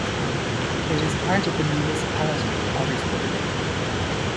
It is part of the municipality Ottersberg.